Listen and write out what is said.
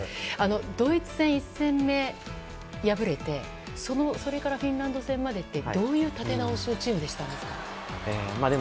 ドイツ戦、１戦目に敗れてそれからフィンランド戦までってどういう立て直しをチームでしたんですか？